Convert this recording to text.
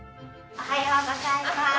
おはようございます。